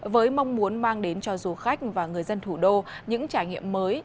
với mong muốn mang đến cho du khách và người dân thủ đô những trải nghiệm mới